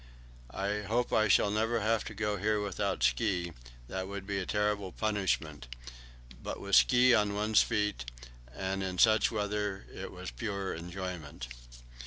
I hope I shall never have to go here without ski; that would be a terrible punishment; but with ski on one's feet and in such weather it was pure enjoyment.